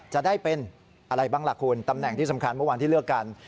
จะได้เป็นอะไรบ้างล่ะคุณตำแหน่งที่สำคัญเมื่อวานที่เลือกกัน